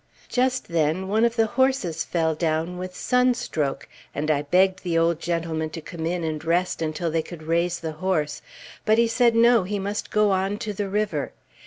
Just then one of the horses fell down with sunstroke, and I begged the old gentleman to come in and rest until they could raise the horse; but he said no, he must go on to the river.